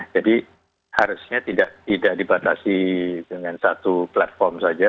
jadi harusnya tidak dibatasi dengan satu platform saja